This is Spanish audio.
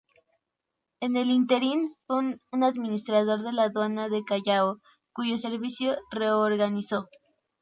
En el ínterin, fue administrador de la aduana del Callao, cuyo servicio reorganizó.